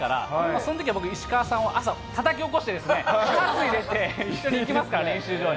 そのときは僕、石川さんを朝たたき起こして、かつ入れて一緒に行きますから、練習場に。